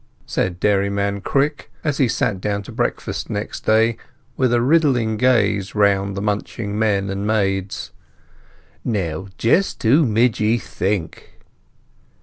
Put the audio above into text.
said Dairyman Crick, as he sat down to breakfast next day, with a riddling gaze round upon the munching men and maids. "Now, just who mid ye think?"